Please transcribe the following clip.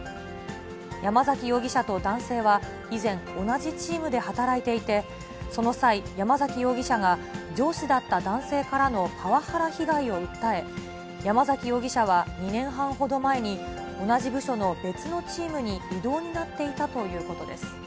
山崎容疑者と男性は、以前、同じチームで働いていて、その際、山崎容疑者が上司だった男性からのパワハラ被害を訴え、山崎容疑者は２年半ほど前に、同じ部署の別のチームに異動になっていたということです。